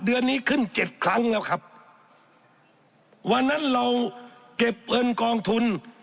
เดือนนี้ขึ้นเจ็ดครั้งแล้วครับวันนั้นเราเก็บเงินกองทุน